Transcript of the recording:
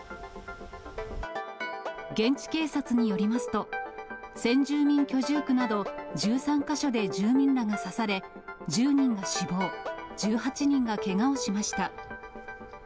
現地警察によりますと、先住民居住区など、１３か所で住民らが刺され、１０人が死亡、１８人がけがをしました。